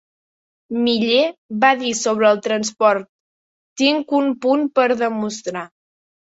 Miller va dir sobre el transport: tinc un punt per demostrar.